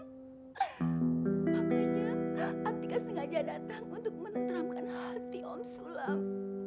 makanya atika sengaja datang untuk meneramkan hati om sulam